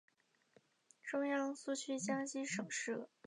中央苏区江西省设。